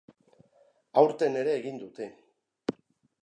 Aurten ere egin dute.